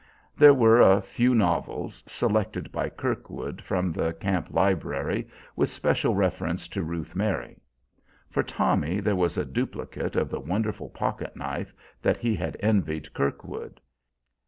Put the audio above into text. There were a few novels, selected by Kirkwood from the camp library with especial reference to Ruth Mary. For Tommy there was a duplicate of the wonderful pocket knife that he had envied Kirkwood.